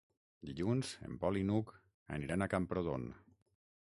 Dilluns en Pol i n'Hug aniran a Camprodon.